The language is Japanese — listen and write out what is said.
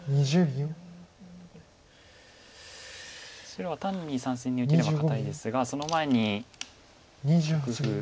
白は単に３線に受ければ堅いですがその前に一工夫。